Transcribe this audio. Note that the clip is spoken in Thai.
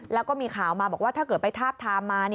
แล้วก็มีข่าวมาบอกว่าถ้าเกิดไปทาบทามมา